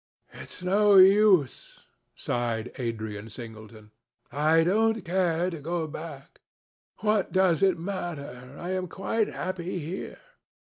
"It's no use," sighed Adrian Singleton. "I don't care to go back. What does it matter? I am quite happy here."